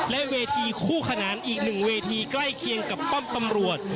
และเวทีคู่ขนานอีกหนึ่งเวทีใกล้เคียงกับป้อมตำรวจ